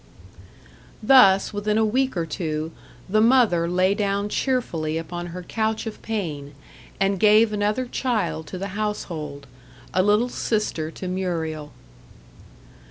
Thus, within a week or two, the mother lay down cheerfully upon her couch of pain, and gave another child to the household a little sister to Muriel.